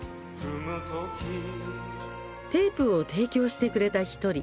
テープを提供してくれた１人